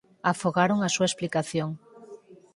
afogaron a súa explicación.